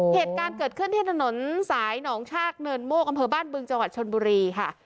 เหตุการณ์เกิดขึ้นที่ถนนสายหนองชากเนินโมกอำเภอบ้านบึงจังหวัดชนบุรีค่ะ